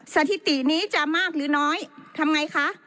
สถิตินี้จะมากหรือน้อยทำไงคะ